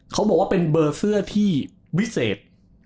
เขาบอกว่าเป็นเบอร์เสื้อที่วิเศษ